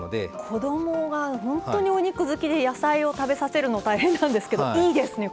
子どもが本当にお肉好きで野菜を食べさせるの大変なんですけどいいですね